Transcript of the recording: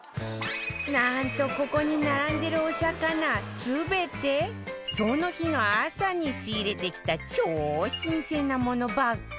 なんとここに並んでるお魚全てその日の朝に仕入れてきた超新鮮なものばっかり